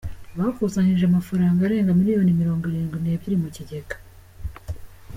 Bakusanyije amafaranga arenga miliyoni Mirongirindwi nebyiri mu Kigega